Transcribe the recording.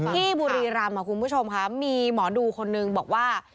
บุรีรำคุณผู้ชมค่ะมีหมอดูคนนึงบอกว่า